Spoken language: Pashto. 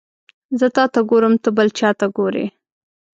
زه تاته ګورم ته بل چاته ګوري